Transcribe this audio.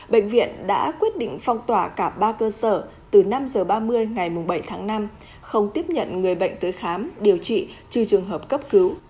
bệnh viện đã quyết định phong tỏa cả ba cơ sở từ năm h ba mươi ngày bảy tháng năm không tiếp nhận người bệnh tới khám điều trị trừ trường hợp cấp cứu